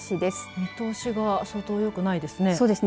見通しが相当良くないですね。